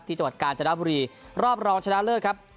จังหวัดกาญจนบุรีรอบรองชนะเลิศครับ